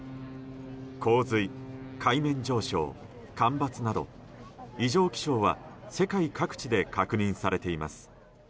洪水、海面上昇、干ばつなど異常気象は世界各地で確認されています。